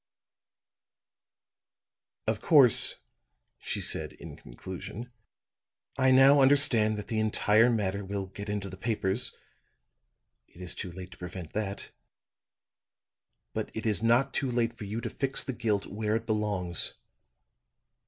"Of course," she said in conclusion, "I now understand that the entire matter will get into the papers. It is too late to prevent that. But it is not too late for you to fix the guilt where it belongs.